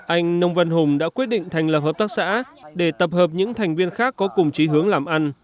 anh nông vân hùng đã quyết định thành lập hợp tác xã để tập hợp những thành viên khác có cùng trí hướng làm ăn